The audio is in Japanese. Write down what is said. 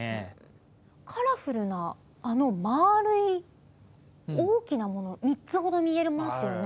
カラフルな、あの丸い大きなもの３つほど見えますよね。